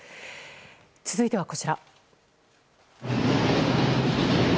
続いては、こちら。